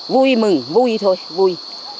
vui mừng vui thôi vui